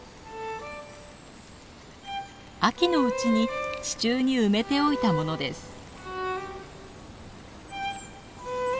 秋のうちに地中に埋めておいたものです。